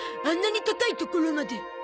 あんなに高いところまで。